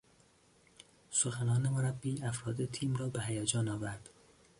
سخنان مربی افراد تیم را به هیجان آورد.